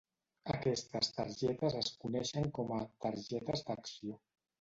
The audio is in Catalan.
Aquestes targetes es coneixen com a "targetes d'acció".